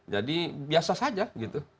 jadi biasa saja gitu